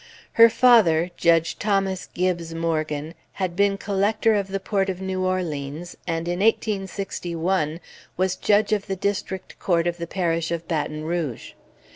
Her father, Judge Thomas Gibbes Morgan, had been Collector of the Port of New Orleans, and in 1861 was Judge of the District Court of the Parish of Baton Rouge.